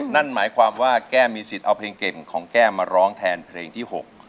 นั่นหมายความว่าแก้มมีสิทธิ์เอาเพลงเก่งของแก้มมาร้องแทนเพลงที่๖